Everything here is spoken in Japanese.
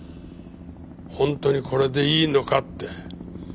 本当にこれでいいのかって。